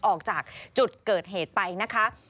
ออกจากจุดเกิดเหตุไปนะคะ